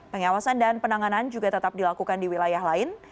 pengawasan dan penanganan juga tetap dilakukan di wilayah lain